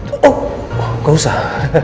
oh gak usah